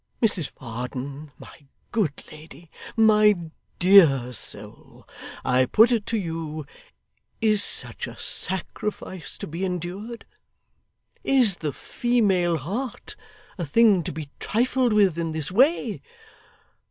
Mrs Varden, my good lady, my dear soul, I put it to you is such a sacrifice to be endured? Is the female heart a thing to be trifled with in this way?